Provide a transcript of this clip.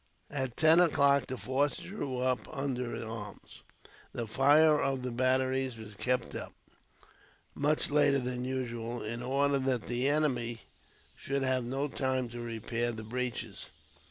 At ten o'clock, the force drew up under arms. The fire of the batteries was kept up, much later than usual, in order that the enemy should have no time to repair the breaches.